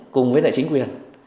cùng với lại chính quyền